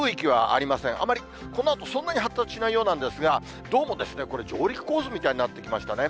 あまりこのあとそんなに発達しないようなんですが、どうもこれ、上陸コースみたいになってきましたね。